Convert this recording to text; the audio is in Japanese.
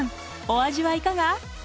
お味はいかが？